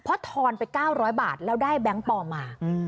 เพราะทอนไป๙๐๐บาทแล้วได้แบงค์ปลอมมา